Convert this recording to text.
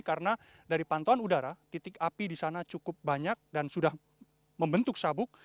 karena dari pantauan udara titik api di sana cukup banyak dan sudah membentuk sabuk